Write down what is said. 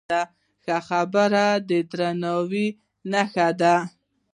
ښې خبرې د درناوي نښه ده.